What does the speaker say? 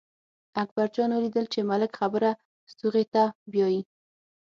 اکبر جان ولیدل چې ملک خبره ستوغې ته بیايي.